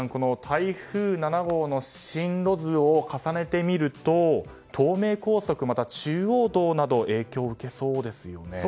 台風７号の進路図を重ねてみると東名高速、または中央道など影響を受けそうですね。